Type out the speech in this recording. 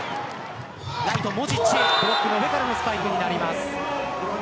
モジッチ、ブロックの上からのスパイクとなります。